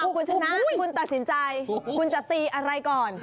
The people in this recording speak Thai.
คุณชนะคุณตัดสินใจคุณจะตีอะไรก่อน